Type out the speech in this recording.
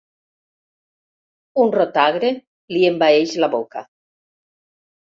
Un rot agre li envaeix la boca.